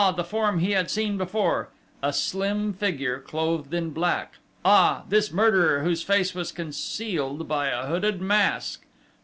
The form he had seen before a slim figure, clothed in black!... Ah, this murderer, whose face was concealed by a hooded mask!